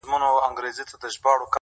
او دا کشره چي د کلي د مُلا ده,